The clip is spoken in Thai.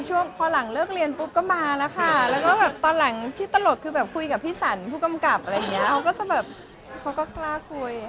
ช่วงพอหลังเลิกเรียนปุ๊บก็มาแล้วค่ะแล้วก็แบบตอนหลังที่ตลกคือแบบคุยกับพี่สันผู้กำกับอะไรอย่างนี้เขาก็จะแบบเขาก็กล้าคุย